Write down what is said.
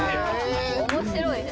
面白いね。